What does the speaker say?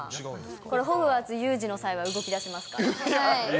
これ、ホグワーツ有事の際は動きだしますから。